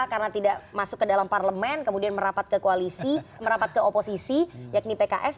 karena tidak masuk ke dalam parlemen kemudian merapat ke koalisi merapat ke oposisi yakni pks